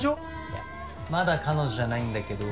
いやまだ彼女じゃないんだけど。